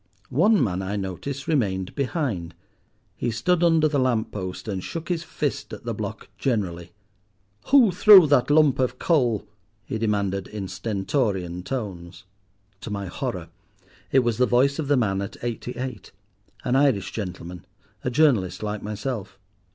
One man I noticed remained behind. He stood under the lamp post, and shook his fist at the block generally. "Who threw that lump of coal?" he demanded in stentorian tones. To my horror, it was the voice of the man at Eighty eight, an Irish gentleman, a journalist like myself.